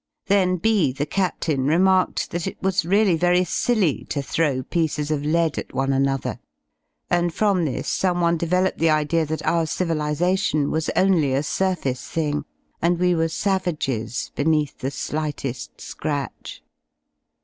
Then B , the captain, remarked that it was really very silly to throw pieces of lead at one another, and from this someone developed the idea that our civilisation was only a surface thing, and we were savages beneath the slighted scratch.